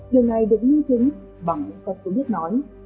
điều này được ứng chứng bằng những tập thống nhất nói